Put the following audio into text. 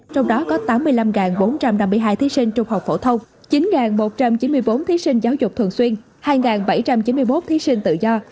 trong đó có tám mươi năm bốn trăm năm mươi hai thí sinh trung học phổ thông chín một trăm chín mươi bốn thí sinh giáo dục thường xuyên hai bảy trăm chín mươi một thí sinh tự do